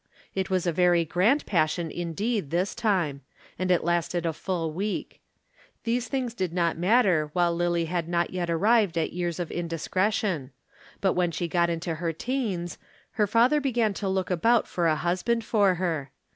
It was a very grand passion indeed this time and it lasted a full week. These things did not matter while Lillie had not yet arrived at years of indiscretion; but when she got into her teens, her father began to look about for a husband for her.